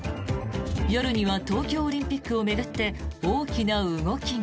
夜には東京オリンピックを巡って大きな動きが。